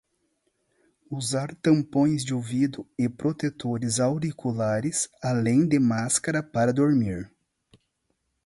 Usar tampões de ouvido e protetores auriculares, além de máscara para dormir